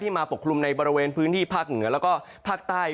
มาปกคลุมในบริเวณพื้นที่ภาคเหนือแล้วก็ภาคใต้